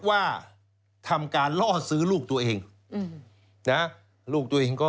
ว่าทำการล่อซื้อลูกสาวตัวเอง